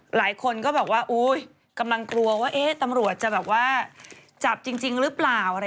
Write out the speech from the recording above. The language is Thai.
หลายคนก็บอกว่ากำลังกลัวว่าตำรวจจะแบบว่าจับจริงหรือเปล่า